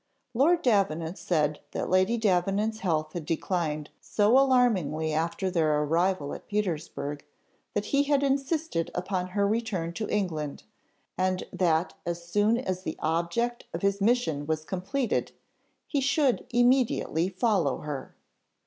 Lord Davenant said that Lady Davenant's health had declined so alarmingly after their arrival at Petersburgh, that he had insisted upon her return to England, and that as soon as the object of his mission was completed, he should immediately follow her.